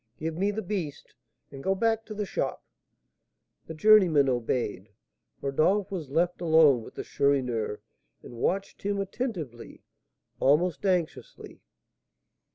Give me the beast, and go back to the shop." The journeyman obeyed. Rodolph was left alone with the Chourineur, and watched him attentively, almost anxiously.